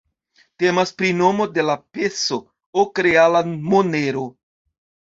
Temas pri nomo de la peso, ok-reala monero.